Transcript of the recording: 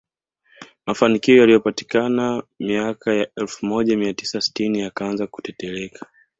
Mafanikio yaliyopatikana miaka ya elfu moja mia tisa sitini yakaanza kutetereka